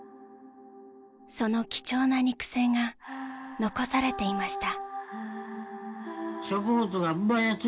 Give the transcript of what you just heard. その貴重な肉声が残されていました